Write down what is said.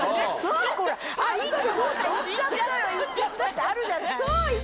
１個どっか行っちゃったってあるじゃない。